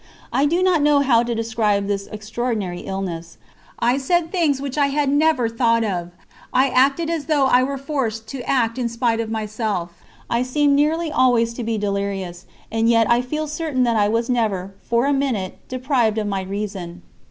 I do not know how to describe this extraordinary illness. I said things which I had never thought of; I acted as though I were forced to act in spite of myself; I seemed nearly always to be delirious; and yet I feel certain that I was never, for a minute, deprived of my reason.